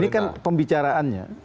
ini kan pembicaraannya